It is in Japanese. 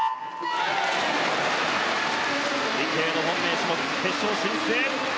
池江の本命種目決勝進出へ。